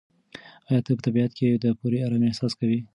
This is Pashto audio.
ایا ته په طبیعت کې د پوره ارامۍ احساس کوې؟